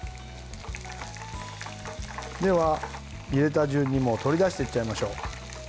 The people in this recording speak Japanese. では、入れた順に取り出していっちゃいましょう。